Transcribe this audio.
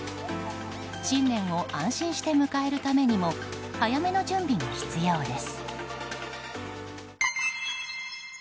新年を安心して迎えるためにも早めの準備が必要です。